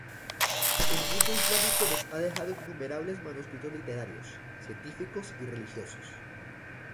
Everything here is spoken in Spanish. El mundo islámico nos ha dejado innumerables manuscritos literarios, científicos y religiosos.